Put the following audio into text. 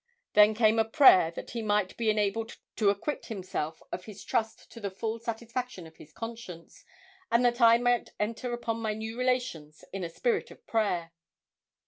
Then came a prayer that he might be enabled to acquit himself of his trust to the full satisfaction of his conscience, and that I might enter upon my new relations in a spirit of prayer.